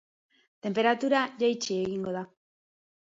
Tenperatura jaitsi egingo da.